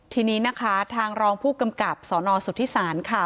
ทีนี้นะคะทางรองผู้กำกับสนสุธิศาลค่ะ